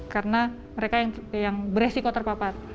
karena mereka yang beresiko terpapat